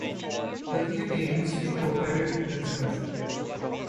The Theatines still operate the church.